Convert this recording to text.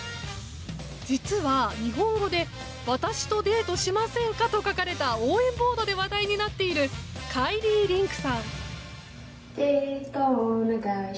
実は、日本語で私とデートしませんかと書かれた応援ボードで話題になっているカイリー・リンクさん。